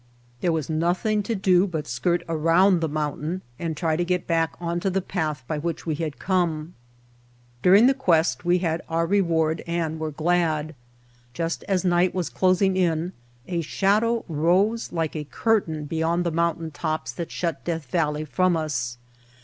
There was nothing to do but skirt around the mountain and try to get back onto the path by which we had come. During the quest we had our reward and were glad. Just as night was closing in a shadow rose like a curtain beyond the mountain tops that shut Death Valley from us.